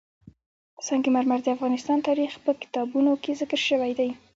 سنگ مرمر د افغان تاریخ په کتابونو کې ذکر شوی دي.